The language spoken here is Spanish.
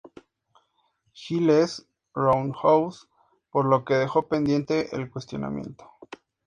Giles Roundhouse, por lo que dejó pendiente el cuestionamiento.